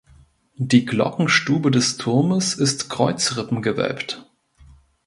Die Glockenstube des Turmes ist kreuzrippengewölbt.